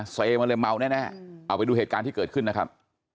เซมาเลยเมาแน่เอาไปดูเหตุการณ์ที่เกิดขึ้นนะครับ